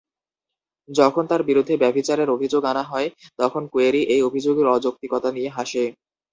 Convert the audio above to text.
যখন তার বিরুদ্ধে ব্যভিচারের অভিযোগ আনা হয়, তখন কুয়েরি এই অভিযোগের অযৌক্তিকতা নিয়ে হাসে।